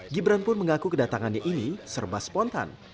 gibran pun mengaku kedatangannya ini serba spontan